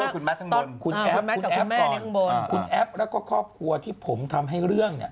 คุณแอฟก่อนคุณแอฟและก็ครอบครัวที่ผมทำให้เรื่อง